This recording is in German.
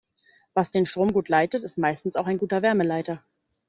Was den Strom gut leitet, ist meistens auch ein guter Wärmeleiter.